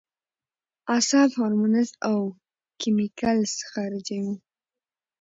اعصاب هارمونز او کېميکلز خارجوي